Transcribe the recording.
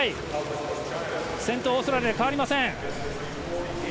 先頭はオーストラリアで変わりません。